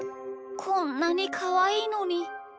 こんなにかわいいのに。